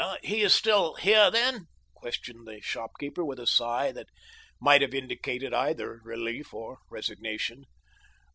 "He is still here, then?" questioned the shopkeeper with a sigh that might have indicated either relief or resignation.